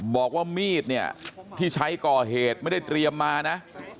บอกว่ามีดเนี่ยที่ใช้ก่อเหตุไม่ได้เตรียมมานะ